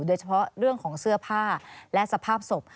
โดยเฉพาะเรื่องของเสื้อผ้าและสภาพศพ